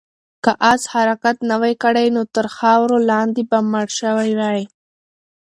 که آس حرکت نه وای کړی، نو تر خاورو لاندې به مړ شوی وای.